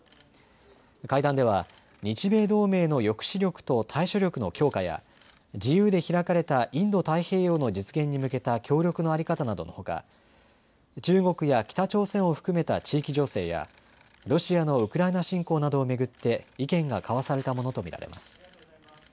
会談では日米同盟の抑止力と対処力の強化や自由で開かれたインド太平洋の実現に向けた協力の在り方などのほか中国や北朝鮮を含めた地域情勢やロシアのウクライナ侵攻などを巡って意見が交わされたものと見られます。